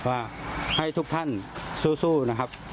ว่าให้ทุกท่านสู้นะครับ